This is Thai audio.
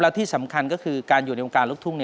และที่สำคัญก็คือการอยู่ในวงการลูกทุ่ง